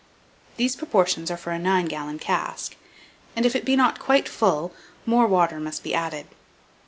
These proportions are for a 9 gallon cask; and if it be not quite full, more water must be added.